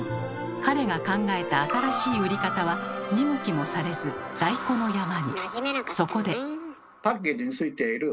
彼が考えた新しい売り方は見向きもされず在庫の山に。